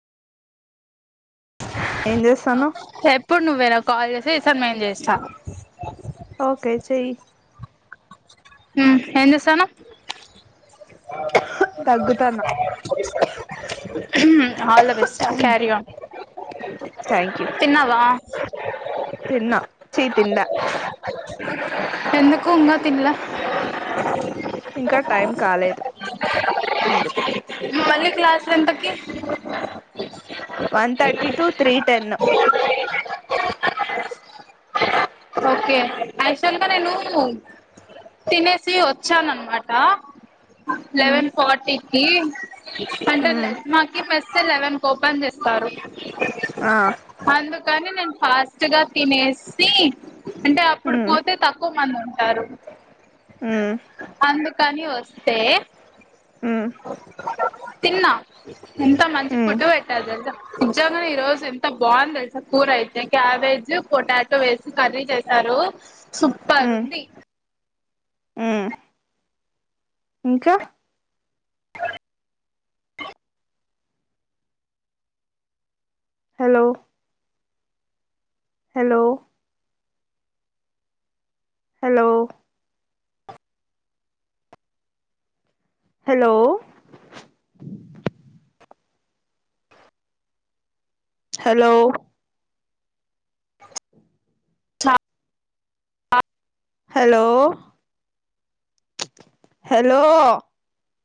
ఏం చేస్తానవ్ ఏప్పుడు నువ్ వేరొ కాల్ చేసి సం మేం చేస్తా ఓకే చెయ్ మ్మ్ ఏం చేస్తన్నావ్ దగ్గుతాన్న మ్మ్ అల్ద వెస్ క్యారీ ఆన్ తిన్నవా తిన్న చీ తిన్లా ఎందుకు ఇంగా తిన్లే ఇంకా టైం కాలేదు అందుకు క్లాస్ల్ ఎంతకి one thirty two three ten okay actual గా నేను తినేసి వచ్చాను అన్నమాట మ్ లెవెన్ ఫార్టీ ఏ పంటదు లె మ్ మాకి పెస్ సె లెవెన్ కి ఓపెన్ చేస్తారు ఆ కానీ నేను ఫాస్ట్ గా తినేస్ సి అంటే అప్పుడు పోతే తక్కువ మంది ఉన్ టారు మ్మ్ కానీ వస్తే మ్ తిన్నా ఎంత మంచి మ్ ఫుడ్ పెట్టరు తెల్సా నిజ్జంగానే ఈ రోజు ఎంత బాగుందెలుస కూూరయితే క్యాబేజ్ పొటాట్ వేసి కర్రీ చేశారు సుప్పర్ ఉంది మ్మ్ ఇంకా hello hello hello hello hello చ హలో హలో